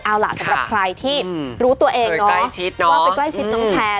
เอาล่ะสำหรับใครที่รู้ตัวเองเนาะว่าไปใกล้ชิดน้องแทน